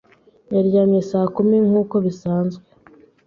Yaryamye saa kumi nkuko bisanzwe.